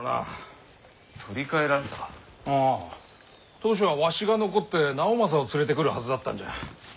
当初はわしが残って直政を連れてくるはずだったんじゃ。